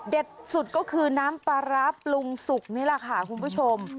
สุดก็คือน้ำปลาร้าปรุงสุกนี่แหละค่ะคุณผู้ชม